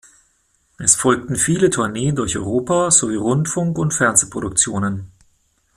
Es folgten viele Tourneen durch Europa sowie Rundfunk- und Fernsehproduktionen.